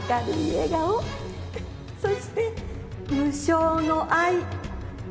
そして無償の愛。